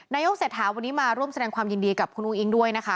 นายกเศรษฐาวันนี้มาร่วมแสดงความยินดีกับคุณอุ้งอิงด้วยนะคะ